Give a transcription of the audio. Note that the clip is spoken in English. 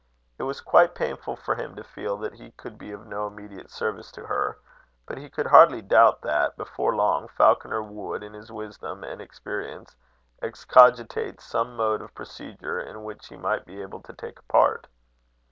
It was quite painful to him to feel that he could be of no immediate service to her; but he could hardly doubt that, before long, Falconer would, in his wisdom and experience, excogitate some mode of procedure in which he might be able to take a part.